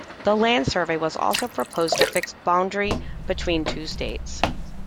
A land survey was also proposed to fix the boundary between the two States.